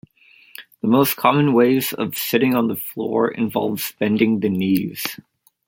The most common ways of sitting on the floor involves bending the knees.